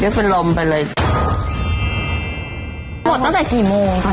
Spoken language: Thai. เรียกเป็นลมไปเลยหมดตั้งแต่กี่โมงตอนนั้นหมดกี่โมงค่ะจ๊ะ